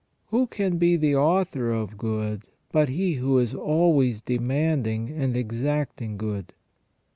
Who can be the author of good but He who is always demanding and exacting good?